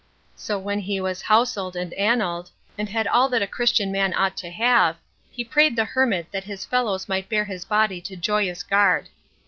So when he was houseled and aneled, and had all that a Christian man ought to have, he prayed the hermit that his fellows might bear his body to Joyous Garde.